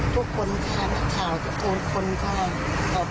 ต้องการตามคุณคราว